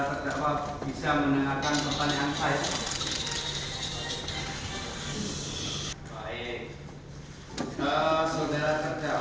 sekali lagi apakah saudara ditampingi oleh penasihat hukum